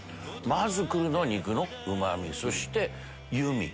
まずくるのは肉のうまみそして脂味。